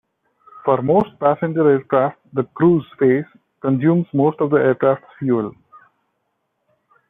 For most passenger aircraft, the cruise phase consumes most of the aircraft's fuel.